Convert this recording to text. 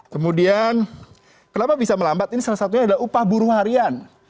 kemudian kenapa bisa melambat ini salah satunya adalah upah buruh harian